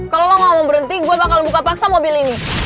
kalau lo gak mau berhenti gue bakal buka paksa mobil ini